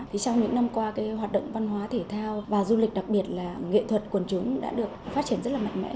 trong những năm qua hoạt động văn hóa thể thao và du lịch đặc biệt là nghệ thuật quần trúng đã được phát triển rất là mạnh mẽ